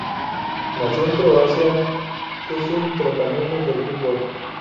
Nacido en Croacia, es un trotamundos del fútbol.